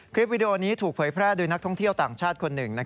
วิดีโอนี้ถูกเผยแพร่โดยนักท่องเที่ยวต่างชาติคนหนึ่ง